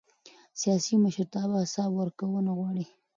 سیاسي مشرتابه حساب ورکونه غواړي